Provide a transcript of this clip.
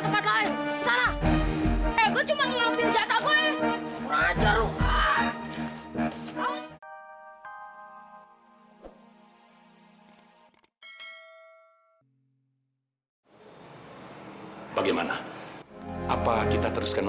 bebaskan mereka semua